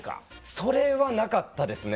それはなかったですね。